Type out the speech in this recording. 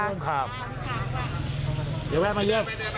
เดี๋ยวแวะมาเรื่อย